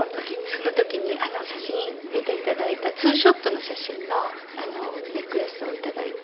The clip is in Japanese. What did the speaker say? その時にあの写真見て頂いた２ショットの写真のネックレスを頂いて。